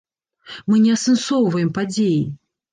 Мы не асэнсоўваем падзеі.